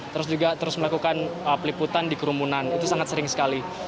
terus juga terus melakukan peliputan di kerumunan itu sangat sering sekali